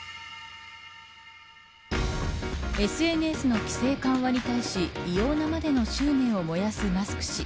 ＳＮＳの規制緩和に対し異様なまでの執念を燃やすマスク氏。